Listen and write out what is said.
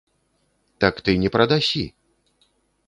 Так ты не прадасі!